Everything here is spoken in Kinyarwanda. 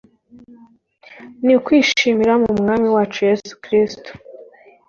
ni ukwishimira mu Mwami wacu Yesu Kristo